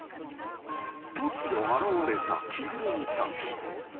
［突如現れた着ぐるみたち］